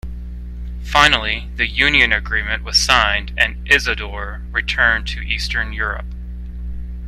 Finally, the union agreement was signed and Isidore returned to Eastern Europe.